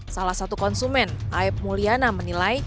salah satu konsumen aeb mulyana menilai